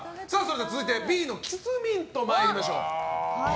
続いてＢのキスミント参りましょう。